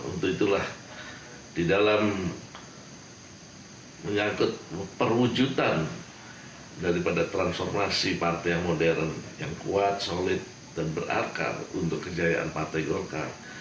untuk itulah di dalam menyangkut perwujudan daripada transformasi partai yang modern yang kuat solid dan berarkar untuk kejayaan partai golkar